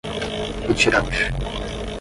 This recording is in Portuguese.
retirante